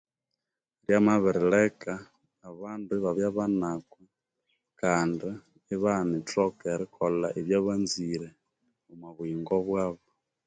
Byamabirileka abandu ibabya banakwa kandi ibaghana erithoka erikolha ebyabanzire omwa buyingo bwabo.